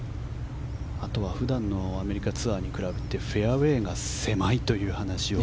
普段のアメリカツアーに比べてフェアウェーが狭いという話が。